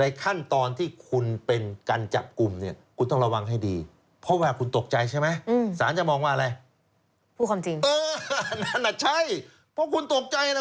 อันนี้คือเป็นการให้โอกาสไหมเป็นการให้โอกาสหรือคะ